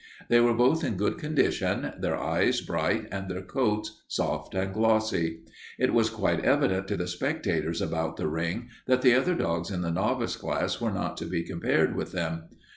They were both in good condition, their eyes bright and their coats soft and glossy. It was quite evident to the spectators about the ring that the other dogs in the novice class were not to be compared with them.